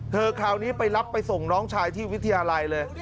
คราวนี้ไปรับไปส่งน้องชายที่วิทยาลัยเลย